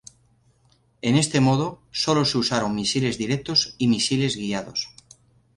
En este modo, solo se usaron misiles directos y misiles guiados.